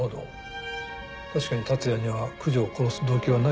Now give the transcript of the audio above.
確かに竜也には九条を殺す動機はないようだ。